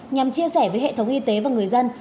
nhằm chia sẻ với hệ thống y tế và người dân